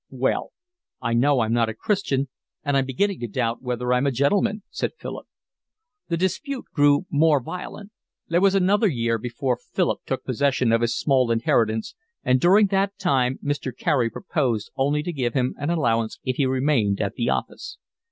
"Well, I know I'm not a Christian and I'm beginning to doubt whether I'm a gentleman," said Philip. The dispute grew more violent. There was another year before Philip took possession of his small inheritance, and during that time Mr. Carey proposed only to give him an allowance if he remained at the office.